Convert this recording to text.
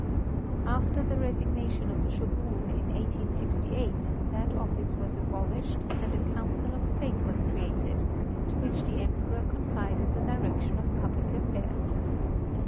After the resignation of the Shogun in 1868 that office was abolished and a council of state was created, to which the Em peror confided the direction of public affairs.